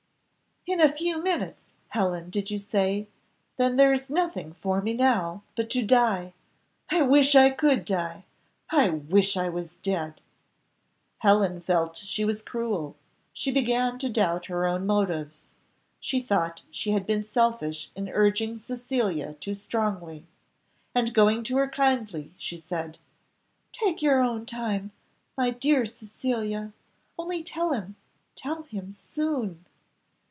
"In a few minutes, Helen, did you say? then there is nothing for me now, but to die I wish I could die I wish I was dead." Helen felt she was cruel, she began to doubt her own motives; she thought she had been selfish in urging Cecilia too strongly; and, going to her kindly, she said, "Take your own time, my dear Cecilia: only tell him tell him soon."